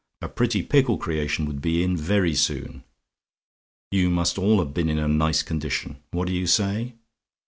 A pretty pickle creation would be in very soon! "You must all have been in a nice condition! What do you say?